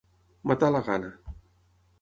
Matar la gana.